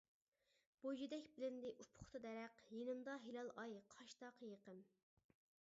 بۇيىدەك بىلىندى ئۇپۇقتا دەرەخ، يېنىمدا ھىلال ئاي، قاشتا قېيىقىم.